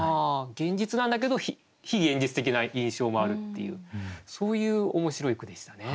現実なんだけど非現実的な印象もあるっていうそういう面白い句でしたね。